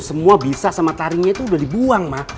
semua bisa sama taringnya itu udah dibuang mah